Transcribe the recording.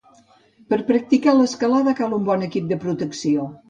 Per practicar l'escalada cal un bon equip de protecció.